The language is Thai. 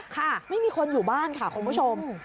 ค่ะไม่มีคนอยู่บ้านค่ะคุณผู้ชม